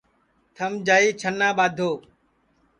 تھم جائی چھنا ٻادھو